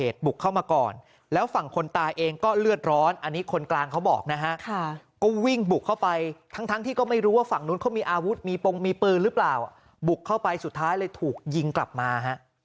ทั้งที่ก็ไม่รู้ว่าฝั่งนู้นเขามีอาวุธมีปลงมีปื้อรึเปล่าบุกเข้าไปสุดท้ายเลยถูกยิงกลับมา